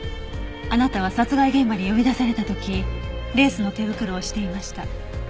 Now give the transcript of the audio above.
あなたは殺害現場に呼び出された時レースの手袋をしていました。